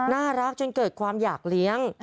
น่ารักจนเกิดความอยากเลี้ยง